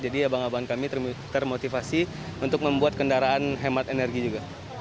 jadi abang abang kami termotivasi untuk membuat kendaraan hemat energi juga